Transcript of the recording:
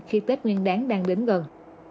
khi tết nguyên đáng đang đến gần